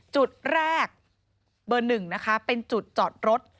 จุดแรกเบอร์๑นะคะเป็นจุดจอดรถ